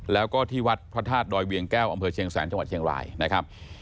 แล้วก็ที่วัดพระธาตุดอยเวียงแก้วอำเภอเชียงแสนจังหวัดเชียงรายนะครับ